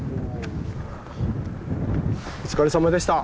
お疲れさまでした！